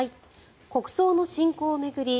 国葬の進行を巡り